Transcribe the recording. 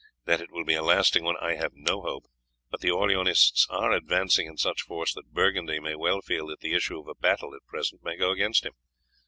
That it will be a lasting one I have no hope, but the Orleanists are advancing in such force that Burgundy may well feel that the issue of a battle at present may go against him.